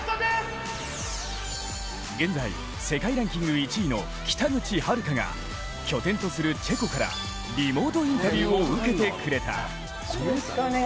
現在、世界ランキング１位の北口榛花が拠点とするチェコからリモートインタビューを受けてくれた。